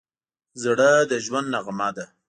زړه د ژوند نغمه ده.